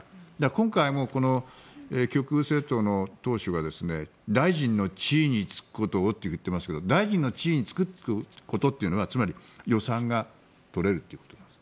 今回も極右政党の党首が大臣の地位に就くことをと言っていますが大臣の地位に就くことというのはつまり予算が取れるということ。